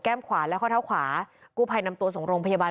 ขวาและข้อเท้าขวากู้ภัยนำตัวส่งโรงพยาบาล